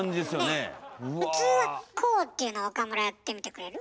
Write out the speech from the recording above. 普通はこうっていうの岡村やってみてくれる？